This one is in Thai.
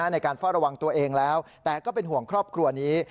ในการเฝ้าระวังตัวเองแล้วแต่ก็เป็นห่วงครอบครัวนี้